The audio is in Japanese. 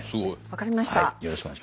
分かりました。